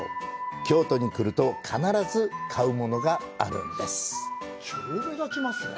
京都に来ると必ず買う物があります。